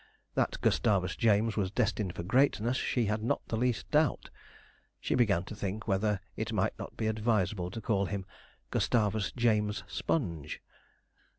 That Gustavus James was destined for greatness she had not the least doubt. She began to think whether it might not be advisable to call him Gustavus James Sponge.